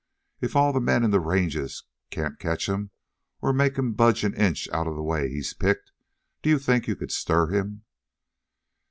If all the men in the ranges can't catch him, or make him budge an inch out of the way he's picked, do you think you could stir him?"